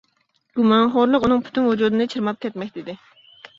گۇمانخورلۇق ئۇنىڭ پۈتۈن ۋۇجۇدىنى چىرماپ كەتمەكتە ئىدى.